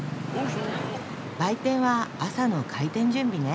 売店は朝の開店準備ね。